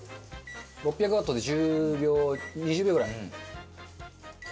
６００ワットで１０秒２０秒ぐらい。